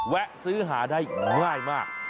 แวะซื้อหาได้ง่ายมาก